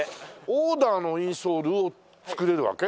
オーダーのインソールを作れるわけ？